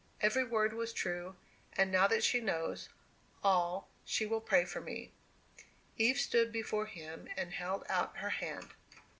Every word was true; and now that she knows all, she will pray for me." Eve stood before him and held out her hand.